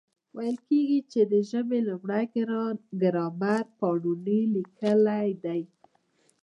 ویل کېږي، چي د ژبي لومړی ګرامر پانني لیکلی دئ.